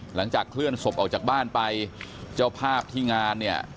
หลังจากเคลื่อนศพออกจากบ้านไปเจ้าภาพที่งานเนี่ย